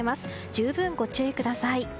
十分、ご注意ください。